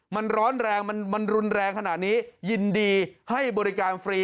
มันร้อนแรงมันรุนแรงขนาดนี้ยินดีให้บริการฟรี